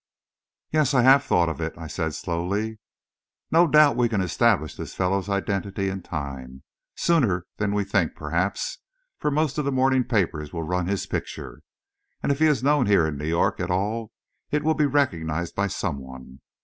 "Yes, I have thought of it," I said, slowly. "No doubt we can establish this fellow's identity in time sooner than we think, perhaps, for most of the morning papers will run his picture, and if he is known here in New York at all, it will be recognised by some one.